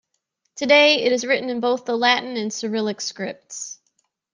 Today, it is written in both the Latin and Cyrillic scripts.